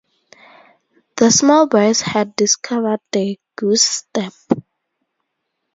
The small boys had discovered the goose-step.